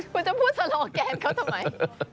คุณจะพูดสโลแกนเขาทำไม